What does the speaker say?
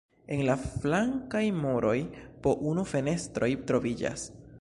En la flankaj muroj po unu fenestroj troviĝas.